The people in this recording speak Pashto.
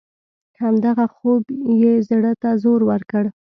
همدغه خوب یې زړه ته زور ورکړ.